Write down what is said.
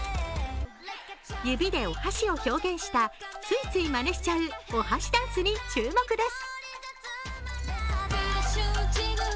指でお箸を表現した、ついついまねしちゃうおはしダンスに注目です。